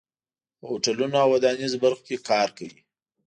په هوټلونو او ودانیزو برخو کې کار کوي.